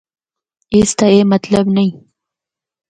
اس دا اے مطلب نیں۔